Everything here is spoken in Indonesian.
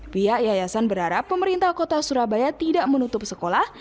pihak yayasan berharap pemerintah kota surabaya tidak menutup sekolah